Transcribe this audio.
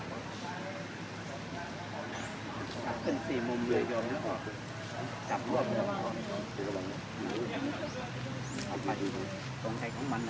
กลับขึ้นสี่มุมเวยองแล้วก็กลับรอบมุมหรือเอาไปอีกตรงไทยของมันอ่ะ